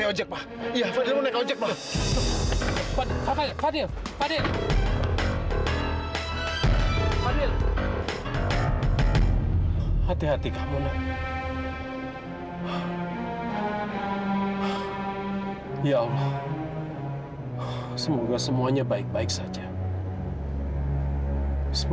aku mesti bawa kamu ke tempat yang aman dulu